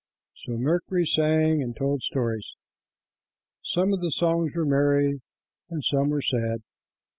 So Mercury sang and told stories. Some of the songs were merry, and some were sad.